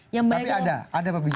tapi ada ada pembicaraan pilpres